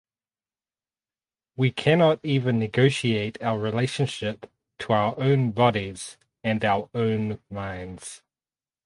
We cannot even negotiate our relationship to our own bodies and our own minds.